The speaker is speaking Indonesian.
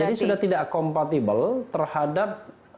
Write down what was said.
jadi sudah tidak kompatibel terhadap